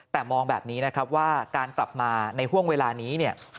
แต่มองแบบนี้นะครับว่าการกลับมาในห่วงเวลานี้เนี่ย